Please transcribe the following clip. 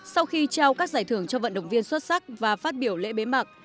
sau khi trao các giải thưởng cho vận động viên xuất sắc và phát biểu lễ bế mạc